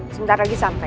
sebentar lagi sampai